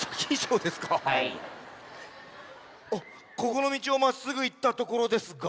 ここのみちをまっすぐいったところですが。